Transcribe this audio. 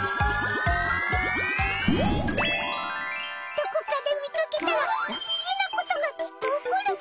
どこかで見かけたらラッキーなことがきっと起こるぞ。